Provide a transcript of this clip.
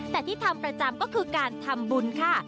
แต่ที่ทำประจำก็คือการทำบุญค่ะ